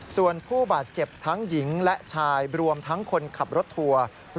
ส่วนผู้บาดเจ็บทั้งหญิงและชายรวมทั้งคนขับรถทัวร์